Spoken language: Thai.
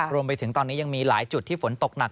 รวมไปถึงตอนนี้ยังมีหลายจุดที่ฝนตกหนัก